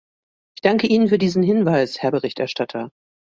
Ich danke Ihnen für diesen Hinweis, Herr Berichterstatter!